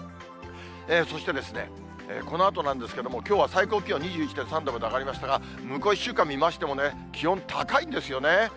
そして、このあとなんですけれども、きょうは最高気温２１．３度まで上がりましたが、向こう１週間見ましてもね、気温高いんですよね。